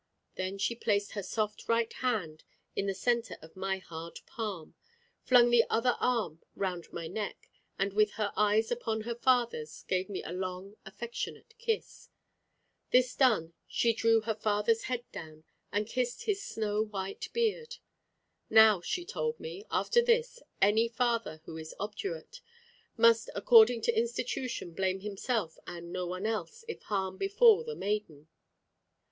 Then she placed her soft right hand in the centre of my hard palm, flung the other arm round my neck, and with her eyes upon her father's, gave me a long affectionate kiss. This done, she drew her father's head down, and kissed his snow white beard. Now, she told me, after this, any father who is obdurate, must according to institution blame himself and no one else, if harm befall the maiden.